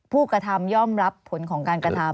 ผู้กระทำย่อมรับผลของการกระทำ